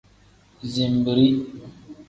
Zinbiri.